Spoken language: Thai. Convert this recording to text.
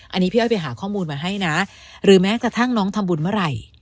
อันนี้พี่อ้อยไปหาข้อมูลมาให้นะหรือแม้กระทั่งน้องทำบุญเมื่อไหร่